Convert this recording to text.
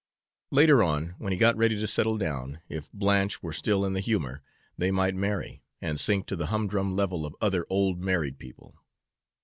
Later on, when he got ready to settle down, if Blanche were still in the humor, they might marry, and sink to the humdrum level of other old married people.